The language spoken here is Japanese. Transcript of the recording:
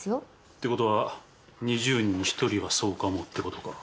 ってことは２０人に１人はそうかもってことか。